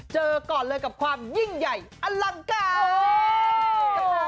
เจอก่อนเลยกับความยิ่งใหญ่อลังการ